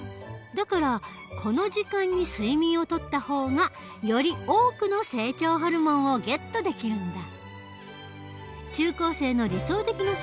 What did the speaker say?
だからこの時間に睡眠をとった方がより多くの成長ホルモンをゲットできるんだ。